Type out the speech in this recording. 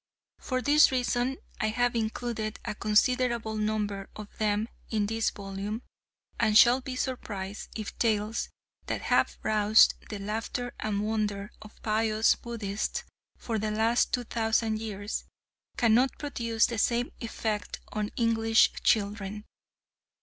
For this reason I have included a considerable number of them in this volume; and shall be surprised if tales that have roused the laughter and wonder of pious Buddhists for the last two thousand years, cannot produce the same effect on English children.